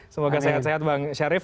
semoga sehat sehat bang syarif